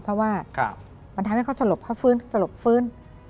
เพราะว่ามันทำให้เขาสลบเขาฟื้นสลบฟื้น